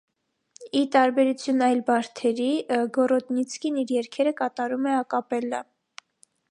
Ի տարբերություն այլ բարդերի՝ Գորոդնիցկին իր երգերը կատարում է ա կապելլա։